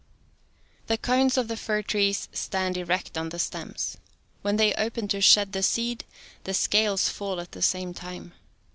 92 The cones of the fir trees stand erect on the stems. When they open to shed the seed, the scales fall at the same time.